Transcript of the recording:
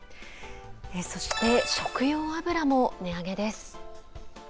そして食用油も値上げです。